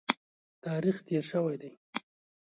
تاریخ تېر شوی دی.